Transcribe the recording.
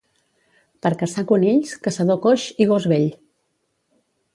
Per caçar conills, caçador coix i gos vell.